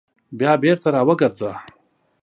بیا بېرته راوګرځه !